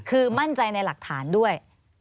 คือมั่นใจในหลักฐานด้วย